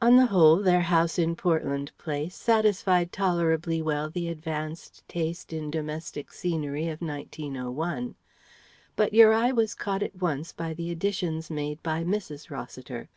On the whole, their house in Portland Place satisfied tolerably well the advanced taste in domestic scenery of 1901. But your eye was caught at once by the additions made by Mrs. Rossiter.